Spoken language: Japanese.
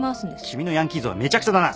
君のヤンキー像はめちゃくちゃだな。